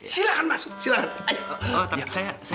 silahkan masuk silahkan